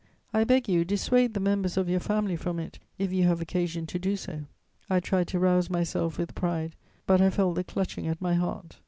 I beg you, dissuade the members of your family from it, if you have occasion to do so.' "I tried to rouse myself with pride, but I felt the clutching at my heart.